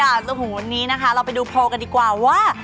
จนถึงวันนี้นะคะเราไปดูโพลกันดีกว่าว่า